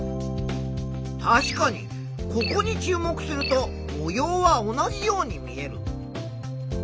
確かにここに注目すると模様は同じように見える。